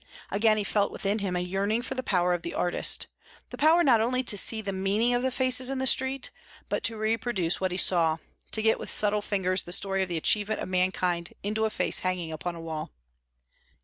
Again he felt within him a yearning for the power of the artist, the power not only to see the meaning of the faces in the street, but to reproduce what he saw, to get with subtle fingers the story of the achievement of mankind into a face hanging upon a wall.